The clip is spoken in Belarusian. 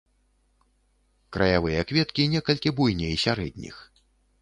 Краявыя кветкі некалькі буйней сярэдніх.